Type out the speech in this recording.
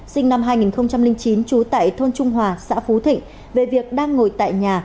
sinh năm hai nghìn chín trú tại thôn trung hòa xã phú thịnh về việc đang ngồi tại nhà